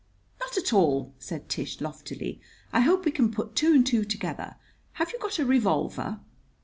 "Not at all," said Tish loftily. "I hope we can put two and two together. Have you got a revolver?"